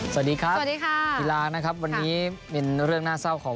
สวัสดีครับสวัสดีค่ะกีฬานะครับวันนี้เป็นเรื่องน่าเศร้าของ